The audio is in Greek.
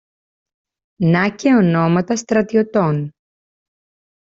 να και ονόματα στρατιωτών.